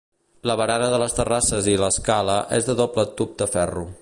La barana de les terrasses i l'escala és de doble tub de ferro.